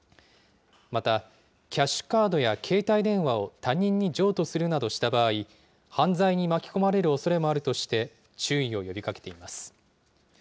また、キャッシュカードや携帯電話を他人に譲渡するなどした場合、犯罪に巻き込まれるおそれもあるとして注意を呼びかけています。